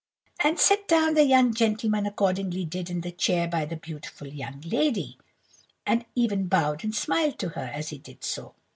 "And sit down the young gentleman accordingly did in the chair by the beautiful young lady, and even bowed and smiled to her as he did so.